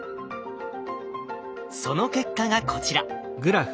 その結果がこちら。